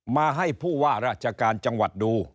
มาให้ผู้ว่าราชการจังหวัดดู